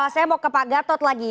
saya mau ke pak gatot lagi